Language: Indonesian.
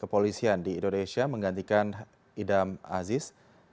kepolisian di indonesia menggantikan idam aziz